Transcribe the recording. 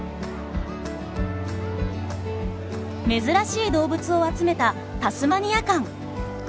珍しい動物を集めたタスマニア館。